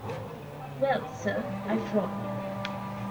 "Well, sir —" I frowned.